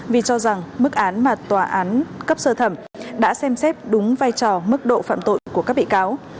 vì cho rằng mức án mà tòa án cấp sơ thẩm đã xem xét đúng vai trò mức độ phạm tội của các bị cáo